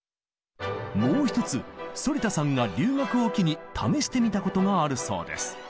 もう一つ反田さんが留学を機に試してみたことがあるそうです。